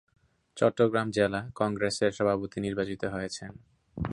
চট্টগ্রাম জেলা কংগ্রেসের সভাপতি নির্বাচিত হয়েছেন।